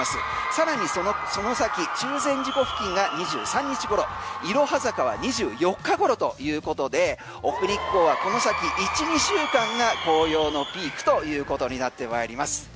さらにそのその先中禅寺湖付近が２３日頃いろは坂は２４日頃ということで奥日光はこの先１２週間が紅葉のピークということになってまいります。